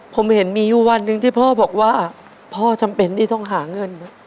ผมเห็นมีอยู่วันหนึ่งที่พ่อบอกว่าพ่อจำเป็นที่ต้องหาเงิน